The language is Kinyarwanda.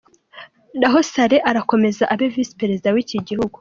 Naho Saleh arakomeza abe Visi Perezida w’iki gihugu.